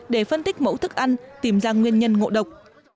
để phân tích mẫu thức ăn tìm ra nguyên nhân ngộ độc